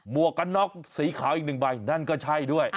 วกกันน็อกสีขาวอีกหนึ่งใบนั่นก็ใช่ด้วย